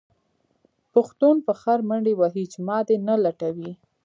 پښتون په خر منډې وهې چې ما دې نه لټوي.